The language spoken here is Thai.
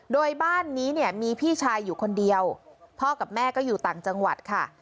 โดยบ้านนี้เนี่ยมีพี่ชายอยู่คนเดียวพ่อกับแม่ก็อยู่ต่างจังหวัดค่ะ